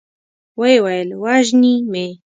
ويې ويل: وژني مې؟